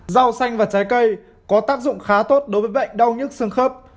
rau xanh và trái cây có tác dụng khá tốt đối với bệnh đau nhức xương khớp